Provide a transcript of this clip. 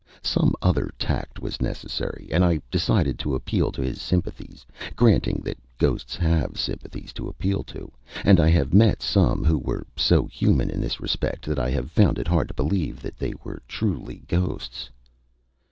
Some other tack was necessary, and I decided to appeal to his sympathies granting that ghosts have sympathies to appeal to, and I have met some who were so human in this respect that I have found it hard to believe that they were truly ghosts.